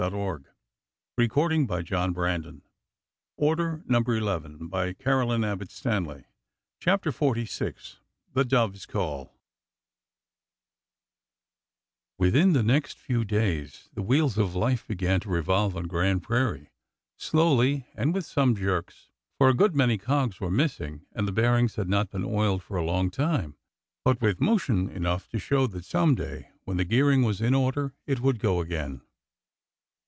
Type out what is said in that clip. The old man strained him to his breast. " Yes 1 " he said brokenly. God forgive me ! yes !" CHAPTER XLVI THE dove's call W ITHIN the next few days the wheels of life be gan to revolve on Grand Prairie, slowly and with some jerks, for a good many cogs were missing and the bearings had not been oiled for a long time, but with mo tion enough to show that some day, when the gearing was in order, it would go again.